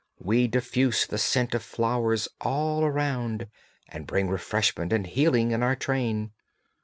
We diffuse the scent of flowers all around, and bring refreshment and healing in our train.